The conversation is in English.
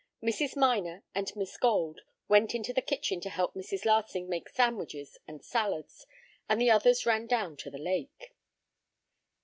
Mrs. Minor and Miss Gold went into the kitchen to help Mrs. Larsing make sandwiches and salads, and the others ran down to the lake.